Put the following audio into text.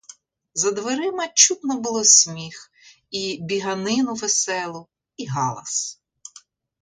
За дверима чутно було сміх, і біганину веселу, і галас.